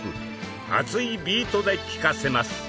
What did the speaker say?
熱いビートで聴かせます。